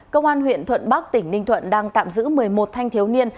công an huyện thuận bắc tỉnh ninh thuận đang tạm giữ một mươi một thanh thiếu niên